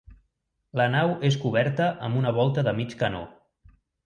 La nau és coberta amb una volta de mig canó.